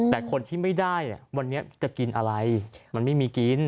แต่คนที่ไม่ได้วันนี้จะกินอะไรมันไม่มีกิน